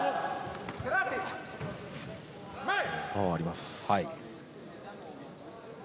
パワーがあります。